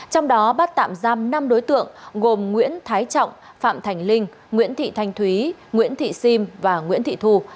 trong đó bắt tạm giam năm đối tượng gồm nguyễn thái trọng phạm thành linh nguyễn thị thanh thúy nguyễn thị sim và nguyễn thị thu